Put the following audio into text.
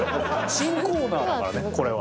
新コーナーだからねこれは。